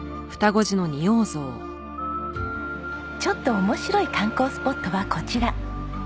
ちょっと面白い観光スポットはこちら。